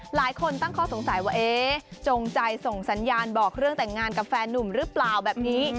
หลายคนตั้งข้อสงสัยว่าเอ๊ะจงใจส่งสัญญาณบอกเรื่องแต่งงานกับแฟนนุ่มหรือเปล่าแบบนี้